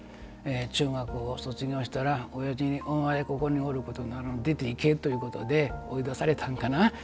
中学を卒業したらおやじに、お前ここにおらんで出ていけ！ということで追い出されたのかな。